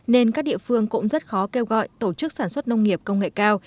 nên các địa phương cũng rất khó kêu gọi tổ chức sản xuất nông nghiệp công nghệ cao